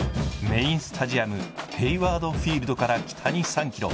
メインスタジアム、ヘイワード・フィールドから北に３ｋｍ。